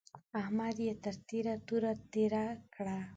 احمد يې تر تېره توره تېر کړ.